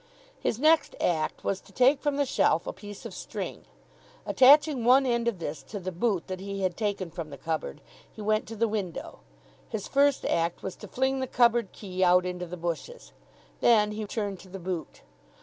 His next act was to take from the shelf a piece of string. Attaching one end of this to the boot that he had taken from the cupboard, he went to the window. His first act was to fling the cupboard key out into the bushes. Then he turned to the boot.